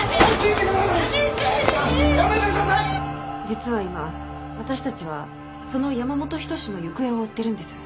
実は今私たちはその山本仁の行方を追ってるんです。